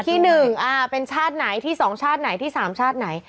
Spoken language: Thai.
ที่๑เป็นชาติไหนที่๒ชาติไหนที่๓ชาติไหน